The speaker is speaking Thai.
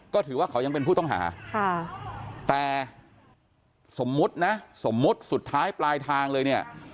ก็ถือว่าเขายังเป็นผู้ต้องหาแต่สมมุตินะสมมุติสุดท้ายปลายทางเลยเนี่ย